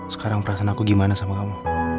sekarang perasaan aku gimana sama kamu